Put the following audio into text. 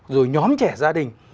rồi nhóm trẻ gia đình